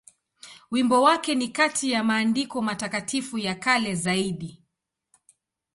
Wimbo wake ni kati ya maandiko matakatifu ya kale zaidi.